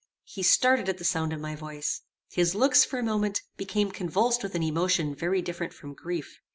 He started at the sound of my voice. His looks, for a moment, became convulsed with an emotion very different from grief.